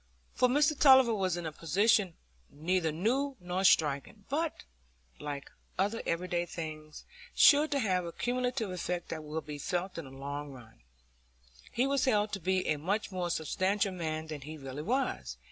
For Mr Tulliver was in a position neither new nor striking, but, like other everyday things, sure to have a cumulative effect that will be felt in the long run: he was held to be a much more substantial man than he really was.